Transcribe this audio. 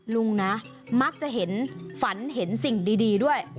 ลุงนะมักจะเห็นฝันเห็นสิ่งดีด้วย